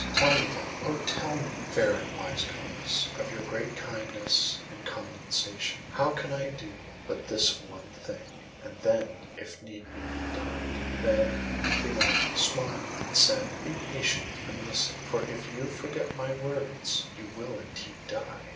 'Tell me, then, oh tell me, fair and wise Goddess, of your great kindness and condescension, how I can do but this one thing, and then, if need be, die!' Then Athené smiled and said— 'Be patient, and listen; for if you forget my words, you will indeed die.